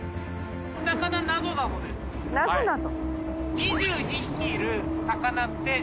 なぞなぞ？